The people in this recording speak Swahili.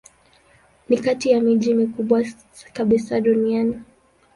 Ni kati ya miji mikubwa kabisa duniani.